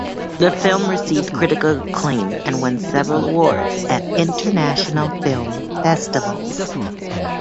The film received critical acclaim and won several awards at international film festivals.